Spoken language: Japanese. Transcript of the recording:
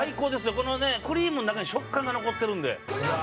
このねクリームの中に食感が残ってるんで。